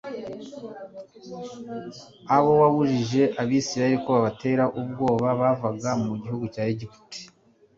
abo wabujije Abisirayeli ko babatera ubwo bavaga mu gihugu cya Egiputa